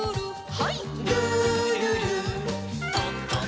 はい。